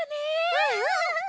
うんうん。